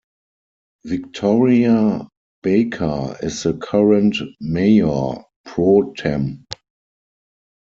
Victoria Baca is the current Mayor Pro Tem.